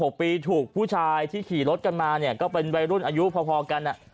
ปีถูกผู้ชายที่ขี่รถกันมาเนี่ยก็เป็นวัยรุ่นอายุพอพอกันอ่ะ